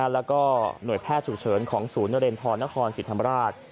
แล้วก็หน่วยแพทย์ฉุกเฉินของศูนย์นเรนทรนครศรีธรรมราช